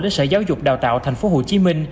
đến sở giáo dục đào tạo tp hcm